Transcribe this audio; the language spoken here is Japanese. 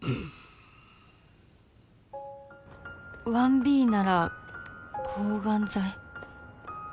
ⅠＢなら抗がん剤。